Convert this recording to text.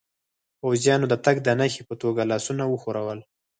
پوځیانو د تګ د نښې په توګه لاسونه و ښورول.